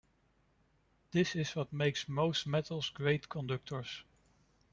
This is what makes most metals great conductors.